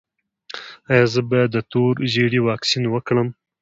ایا زه باید د تور ژیړي واکسین وکړم؟